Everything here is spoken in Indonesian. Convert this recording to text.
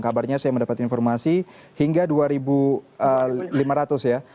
kabarnya saya mendapat informasi hingga dua lima ratus ya